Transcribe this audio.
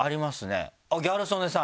ギャル曽根さん。